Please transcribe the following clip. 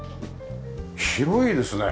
広いですね。